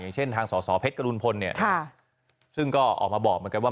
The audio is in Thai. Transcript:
อย่างเช่นทางสสเพชรกรุณพลเนี่ยซึ่งก็ออกมาบอกเหมือนกันว่า